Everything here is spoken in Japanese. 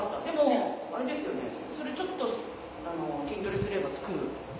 でもそれちょっと筋トレすればつく？